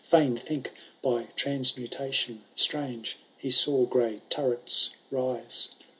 Fain think, by transmutation strange, He saw gray turrets rise.